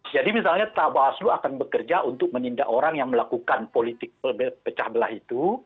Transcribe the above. jadi misalnya bawaslu akan bekerja untuk menindak orang yang melakukan politik pecah belah itu